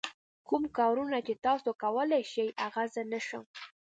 کوم کارونه چې تاسو کولای شئ هغه زه نه شم.